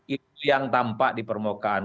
itu yang tampak di permukaan